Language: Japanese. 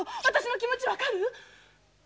私の気持ち分かる？